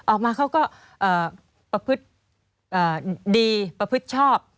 ออกมาเขาก็ประพฤติดีประพฤติชอบ